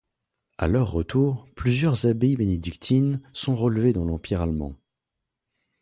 À leur retour, plusieurs abbayes bénédictines sont relevées dans l'Empire allemand.